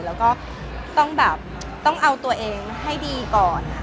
แล้วก็ต้องแบบต้องเอาตัวเองให้ดีก่อนค่ะ